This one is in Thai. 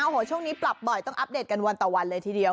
โอ้โหช่วงนี้ปรับบ่อยต้องอัปเดตกันวันต่อวันเลยทีเดียว